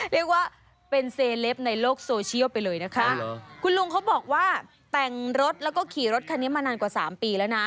เรียกว่าเป็นเซเลปในโลกโซเชียลไปเลยนะคะคุณลุงเขาบอกว่าแต่งรถแล้วก็ขี่รถคันนี้มานานกว่าสามปีแล้วนะ